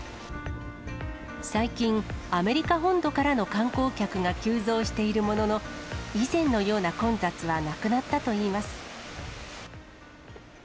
最近、アメリカ本土からの観光客が急増しているものの、以前のような混雑はなくなったといいます。